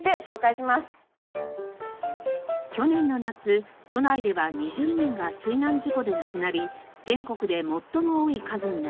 去年の夏都内では２０人が水難事故で亡くなり全国で最も多い数になっています。